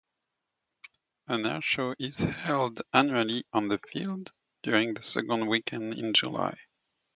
An airshow is held annually on the field, during the second weekend in July.